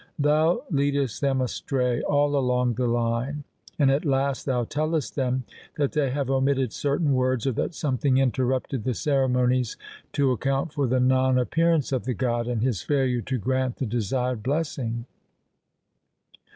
Thou leadest them astray all along the line, and at last thou tellest them that they have omitted certain words, or that something interrupted the ceremonies to account for the non appearance of the god and his failure to grant the desired blessing.